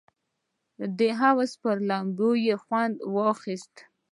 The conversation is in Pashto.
د حوض پر لامبو یې خوند واخیست.